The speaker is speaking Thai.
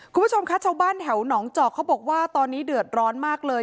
คุณผู้ชมคะชาวบ้านแถวหนองจอกเขาบอกว่าตอนนี้เดือดร้อนมากเลย